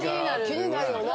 気になるよな。